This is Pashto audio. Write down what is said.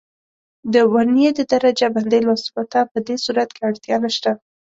د ورنیې د درجه بندۍ لوستلو ته په دې صورت کې اړتیا نه شته.